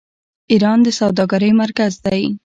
ایران د سوداګرۍ مرکز دی.